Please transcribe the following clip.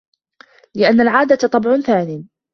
لِأَنَّ الْعَادَةَ طَبْعٌ ثَانٍ